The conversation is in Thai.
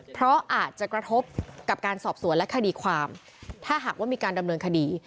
เพราะอาจจะกระทบกับการสอบสวนและคดีความถ้าหากว่ามีการดำเนินคดี